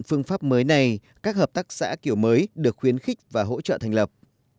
phương pháp mới này các hợp tác xã kiểu mới được khuyến khích và hỗ trợ thành lập